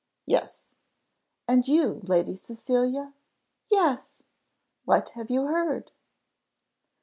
"Yes." "And you, Lady Cecilia?" "Yes." "What have you heard?"